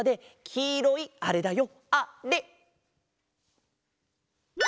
きいろいあれだよ。